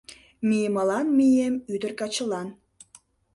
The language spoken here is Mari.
Мийымылан мием ӱдыр-качылан